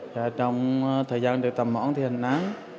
và trong thời gian được tạm hoãn thì hành án